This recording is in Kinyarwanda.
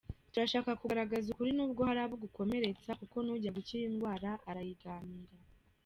Turashaka kugaragza ukuri nubwo hari abo gukomeretsa kuko n’ujya gukira indwara arayiganira.